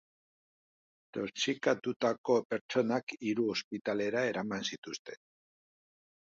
Toxikatutako pertsonak hiru ospitalera eraman zituzten.